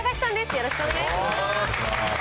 よろしくお願いします。